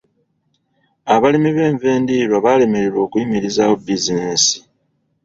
Abalimi b'enva endiirwa baalemererwa okuyimirizaawo bizinensi.